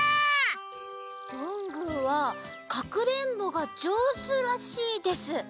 どんぐーはかくれんぼがじょうずらしいです。